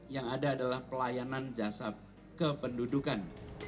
yang ada adalah pelayanan jasa kependudukan